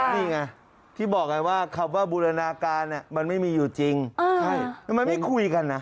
นี่ไงที่บอกไงว่าบูรณาการมันไม่มีอยู่จริงมันไม่คุยกันนะ